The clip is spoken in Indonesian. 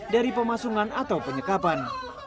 dari pemasungan atau penyekapan